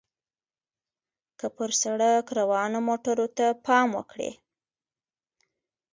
که پر سړک روانو موټرو ته پام وکړئ.